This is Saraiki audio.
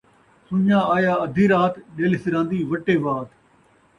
سن٘ڄاں آیا ادّھی رات ، ݙلھ سران٘دی وٹے وات